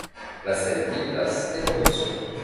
La selle biplace est en option.